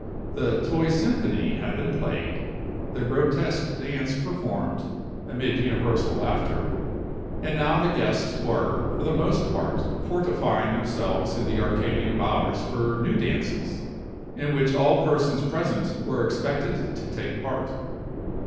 The "Toy Symphony" had been played, the grotesque dance performed, amid universal laughter; and now the guests were, for the most part, fortifying themselves in the Arcadian bowers for new dances, in which all persons present were expected to take part.